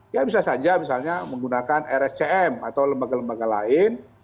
ya bisa saja misalnya menggunakan rscm atau lembaga lembaga lain